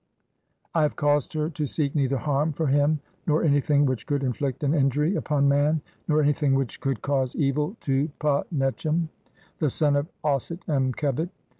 "I have caused her to seek neither harm for him, nor "anything which could inflict an injury upon man, "nor anything which could cause evil to Pa netchem, CXC INTRODUCTION. "the son of Auset em khebit.